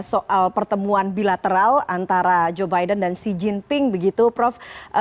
soal pertemuan bilateral antara joe biden dan xi jinping begitu prof